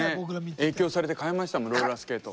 影響されて買いましたもんローラースケート。